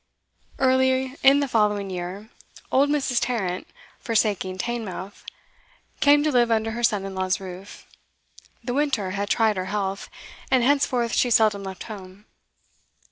Early in the following year, old Mrs. Tarrant, forsaking Teignmouth, came to live under her son in law's roof; the winter had tried her health, and henceforth she seldom left home.